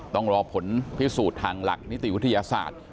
ต้องรอผลพิสูจน์ทางหลักนิติวิทยาศาสตร์